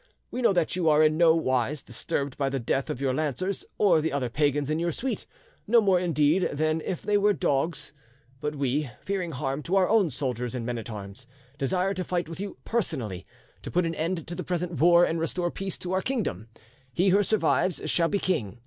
We know that you are in no wise disturbed by the death of your lancers or the other pagans in your suite, no more indeed than if they were dogs; but we, fearing harm to our own soldiers and men at arms, desire to fight with you personally, to put an end to the present war and restore peace to our kingdom. He who survives shall be king.